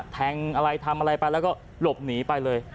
แทงอะไรทำอะไรไปแล้วก็หลบหนีไปเลย